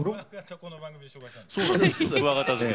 この番組で紹介したの？